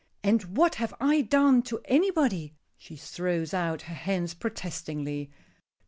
And what have I done to anybody?" She throws out her hands protestingly.